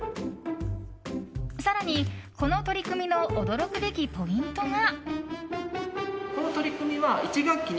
更に、この取り組みの驚くべきポイントが。